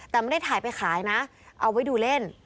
แต่ไม่ได้ถ่ายไปขายนะเอาไว้ดูเล่น